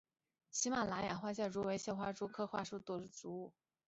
喜马拉雅花蟹蛛为蟹蛛科花蟹蛛属的动物。